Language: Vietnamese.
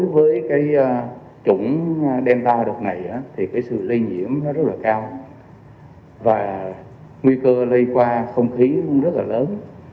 với chủng delta đột này thì sự lây nhiễm rất là cao và nguy cơ lây qua không khí rất là lớn